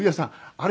あれ